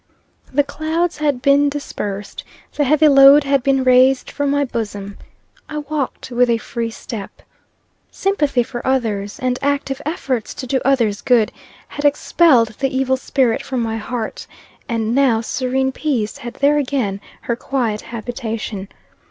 The clouds had been dispersed the heavy load had been raised from my bosom. I walked with a free step. Sympathy for others, and active efforts to do others good, had expelled the evil spirit from my heart; and now serene peace had there again her quiet habitation.